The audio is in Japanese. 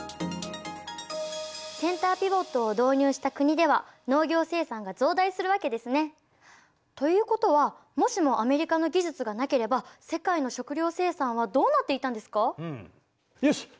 センターピボットを導入した国では農業生産が増大するわけですね。ということはもしもアメリカの技術がなければ世界の食料生産はどうなっていたんですか？